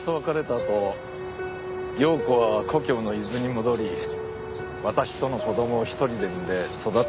あと洋子は故郷の伊豆に戻り私との子供を１人で産んで育てていました。